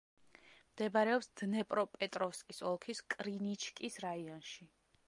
მდებარეობს დნეპროპეტროვსკის ოლქის კრინიჩკის რაიონში.